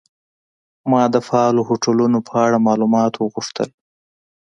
ما د فعالو هوټلونو په اړه معلومات وغوښتل.